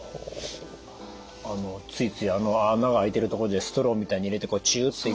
あのついついあの孔があいてるところでストローみたいに入れてチュって。